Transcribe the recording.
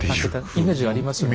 イメージありますね。